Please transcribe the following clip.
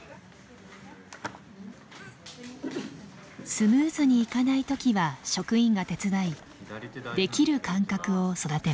スムーズにいかない時は職員が手伝いできる感覚を育てます。